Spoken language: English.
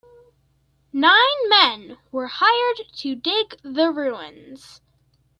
Nine men were hired to dig the ruins.